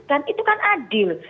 dan itu kan adil